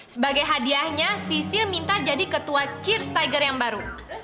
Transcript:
sebagai hadiahnya sisil minta jadi ketua cheers tiger yang baru